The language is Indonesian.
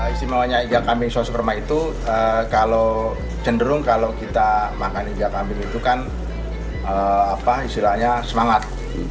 istimewanya iga kambing saus kurma itu jenderung kalau kita makan iga kambing itu kan istilahnya semangat